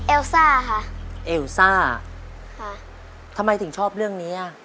ซ่าค่ะเอลซ่าค่ะทำไมถึงชอบเรื่องนี้อ่ะ